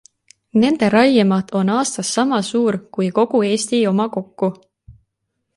Nende raiemaht on aastas sama suur kui kogu Eesti oma kokku.